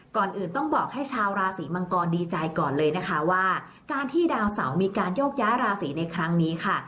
ก่อนอื่นต้องบอกให้ชาวราศีมังกรดีใจก่อนเลยนะคะว่าการที่ดาวเสามีการโยกย้ายราศีในครั้งนี้ค่ะ